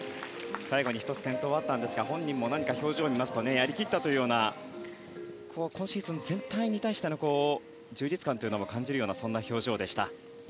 最後に１つ転倒はあったんですが本人も何か表情を見ますとやり切ったというような今シーズン全体に対しての充実感を感じるような表情でした。